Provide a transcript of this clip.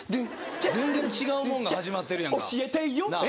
全然違うもんが始まってるやんか教えてよえ？